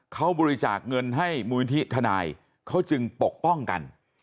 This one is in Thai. เขาบริจาคเงินให้มูลนิธิทนายเขาจึงปกป้องกัน